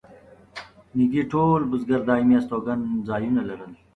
نږدې ټول بزګر دایمي استوګن ځایونه لرل.